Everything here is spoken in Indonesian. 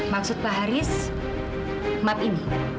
maksud pak haris map ini